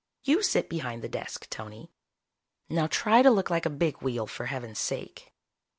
"You sit behind the desk, Tony. Now try to look like a big wheel, for heaven's sake."